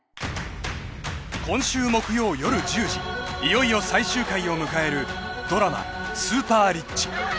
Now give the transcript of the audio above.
［今週木曜夜１０時いよいよ最終回を迎えるドラマ『ＳＵＰＥＲＲＩＣＨ』］